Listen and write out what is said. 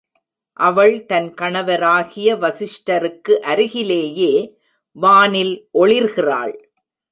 அவள் தன் கணவராகிய வசிஷ்டருக்கு அருகிலேயே வானில் ஒளிர்கிறாள்.